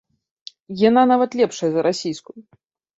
Яна нават лепшая за расійскую.